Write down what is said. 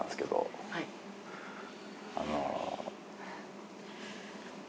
あの。